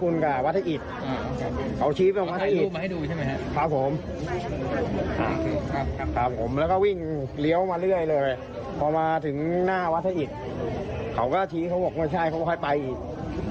แล้วหลองเรียวมาเรื่อยเลยพอมาถึงหน้าวัชให้อิทเขาก็ชี้เขาบอกไม่ใช่เขาก็กลายไปอีก